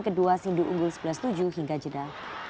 kedua sindu unggul sebelas tujuh hingga jeda